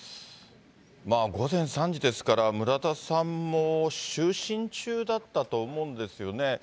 午前３時ですから、村田さんも就寝中だったと思うんですよね。